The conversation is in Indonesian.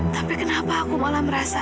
tapi kenapa aku malah merasa